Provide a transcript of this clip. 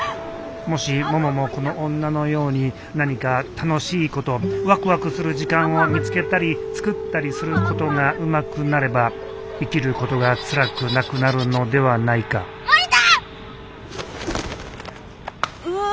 もしもももこの女のように何か楽しいことワクワクする時間を見つけたり作ったりすることがうまくなれば生きることがつらくなくなるのではないかうわ！